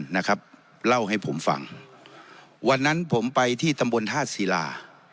นะครับเล่าให้ผมฟังวันนั้นผมไปที่ตำบลท่าศิลา